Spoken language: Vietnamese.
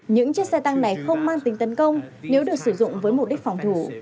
những chiếc xe tăng này không mang tính tấn công nếu được sử dụng với mục đích phòng thủ